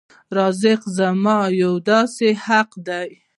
رزق زما یو داسې حق دی.